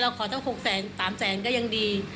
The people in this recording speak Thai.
เราขอแค่หกแสนสามแสนก็ยังดี